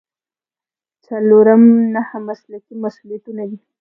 څلورم نهه مسلکي مسؤلیتونه دي.